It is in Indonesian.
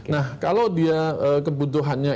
nah kalau dia kebutuhannya